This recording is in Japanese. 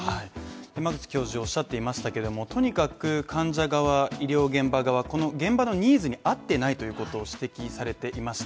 山口教授をおっしゃっていましたけどもとにかく患者側は医療現場がこの現場のニーズに合ってないということを指摘されていました